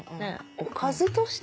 おかずとして？